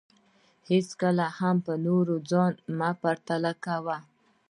هېڅکله هم په نورو ځان مه پرتله کوه